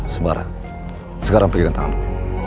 sembara sekarang pergi ke tanganmu